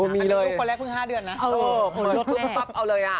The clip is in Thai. อันนี้ลูกคนแรกเพิ่ง๕เดือนนะผลลดปุ๊บปั๊บเอาเลยอ่ะ